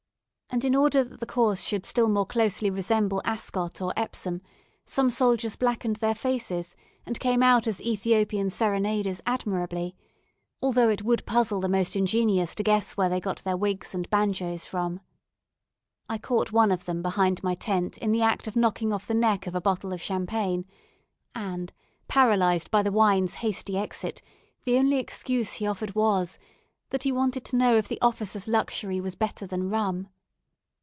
And in order that the course should still more closely resemble Ascot or Epsom, some soldiers blackened their faces and came out as Ethiopian serenaders admirably, although it would puzzle the most ingenious to guess where they got their wigs and banjoes from. I caught one of them behind my tent in the act of knocking off the neck of a bottle of champagne, and, paralysed by the wine's hasty exit, the only excuse he offered was, that he wanted to know if the officers' luxury was better than rum.